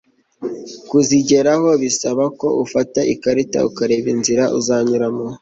kuzigeraho bisaba ko ufata ikarita ukareba inzira uzanyuramo